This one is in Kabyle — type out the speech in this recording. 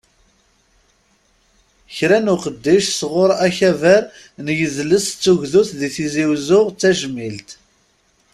Kra n uqeddic sɣur akabar n yidles d tugdut di tizi wezzu, d tajmilt.